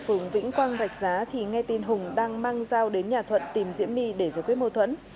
phường vĩnh quang rạch giá thì nghe tin hùng đang mang dao đến nhà thuận tìm diễm my để giải quyết mâu thuẫn